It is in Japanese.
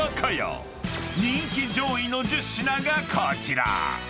［人気上位の１０品がこちら］